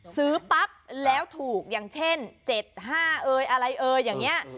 ซื้อปั๊บแล้วถูกอย่างเช่น๗๕เอ่ยอะไรเอ่ยอย่างนี้